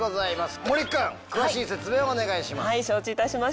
森君詳しい説明をお願いします。